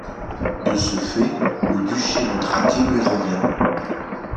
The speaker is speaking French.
De ce fait, le duché de Trakai lui revient.